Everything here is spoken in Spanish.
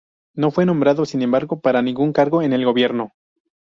No fue nombrado, sin embargo, para ningún cargo en el gobierno.